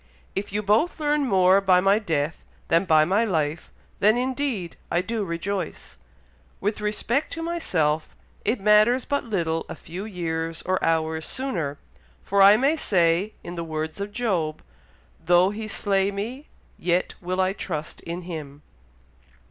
If you both learn more by my death than by my life, then, indeed, I do rejoice. With respect to myself, it matters but little a few years or hours sooner, for I may say, in the words of Job, 'though He slay me, yet will I trust in Him.'"